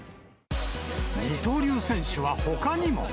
二刀流選手はほかにも。